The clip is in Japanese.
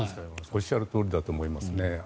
おっしゃるとおりだと思いますね。